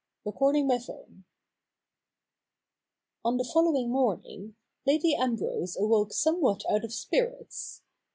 69 BOOK II CHAPTER I On the following morning Lady Ambrose awoke some what out of spirits.